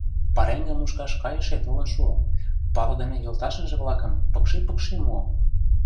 Пареҥгым мушкаш кайыше толын шуо — палыдыме йолташыже-влакым пыкше-пыкше муо.